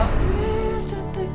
bapak jalan dulu ya